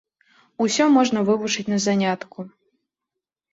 Усё можна вывучыць на занятку.